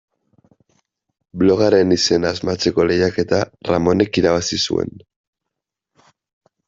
Blogaren izena asmatzeko lehiaketa Ramonek irabazi zuen.